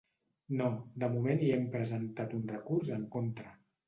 No, de moment hi hem presentat un recurs en contra.